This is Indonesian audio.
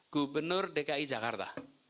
gubernur dki jakarta